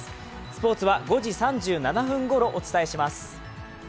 スポーツは５時３７分ごろ、お伝えします。